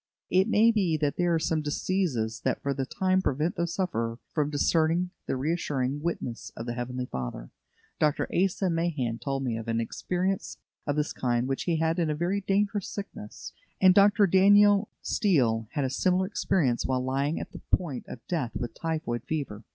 It may be that there are some diseases that for the time prevent the sufferer from discerning the reassuring witness of the Heavenly Father. Dr. Asa Mahan told me of an experience of this kind which he had in a very dangerous sickness. And Dr. Daniel Steele had a similar experience while lying at the point of death with typhoid fever.